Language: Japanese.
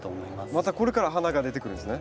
またこれから花が出てくるんですね。